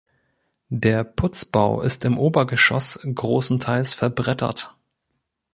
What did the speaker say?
Der Putzbau ist im Obergeschoss großenteils verbrettert.